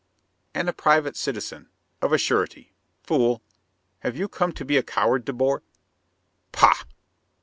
"... And a private citizen, of a surety. Fool! Have you come to be a coward, De Boer?" "Pah!"